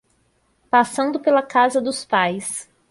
Passando pela casa dos pais